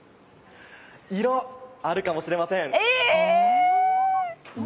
色、あるかもしれません。